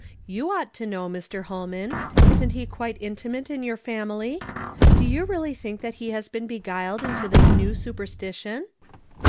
You ought to know, Mr. liolman. Isn't ho quite intimate in your family? Do you really think that he has been beguiled into tliis new supei stition